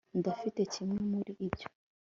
ndafite kimwe muri ibyo